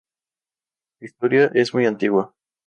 Su historia es muy antigua.